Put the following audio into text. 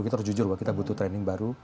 kita harus jujur bahwa kita butuh training baru